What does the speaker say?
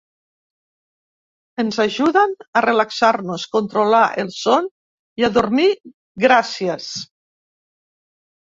Ens ajuden a relaxar-nos, controlar el son i a dormir gràcies.